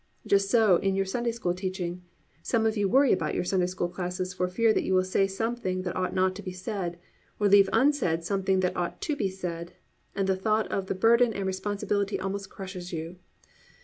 Just so in your Sunday School teaching. Some of you worry about your Sunday School classes for fear that you will say something that ought not to be said, or leave unsaid something that ought to be said, and the thought of the burden and responsibility almost crushes you.